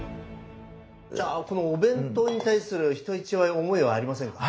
じゃあこのお弁当に対する人一倍思いはありませんか？